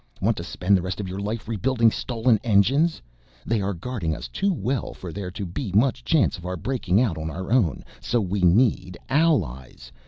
Want to spend the rest of your life rebuilding stolen engines? They are guarding us too well for there to be much chance of our breaking out on our own, so we need allies.